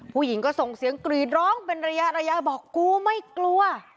ผู้หญิงก็ส่งเสียงกรีดร้องเป็นระยะระยะบอกกูไม่กลัว